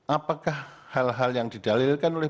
apakah hal hal yang didalilkan oleh